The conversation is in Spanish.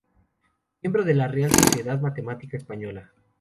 Miembro de la Real Sociedad Matemática Española.